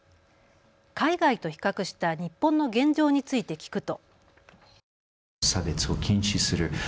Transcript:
海外と比較した日本の現状について聞くと。